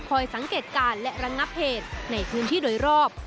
สังเกตการณ์และระงับเหตุในพื้นที่โดยรอบ